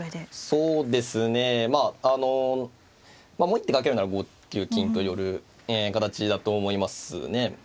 そうですねまああのもう一手かけるなら５九金と寄る形だと思いますね。